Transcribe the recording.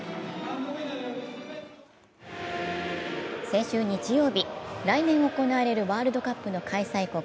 先週日曜日、来年行われるワールドカップの開催国